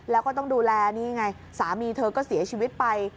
แล้วก็ต้องดูแลนี่ไงสามีเธอก็เสียชีวิตไป